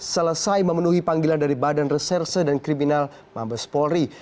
selesai memenuhi panggilan dari badan reserse dan kriminal mabes polri